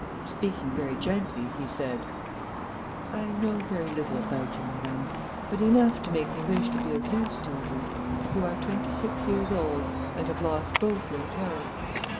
Speaking very gently, he said: "I know very little about you, madame, but enough to make me wish to be of use to you. You are twenty six years old and have lost both your parents.